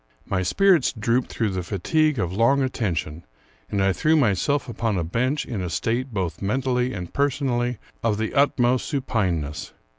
My spirits drooped through the fatigue of long attention, and I threw myself upon a bench, in a state, both mentally and personally, of the utmost supineness.